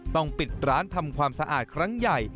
ปิดร้านทำความสะอาดครั้งใหญ่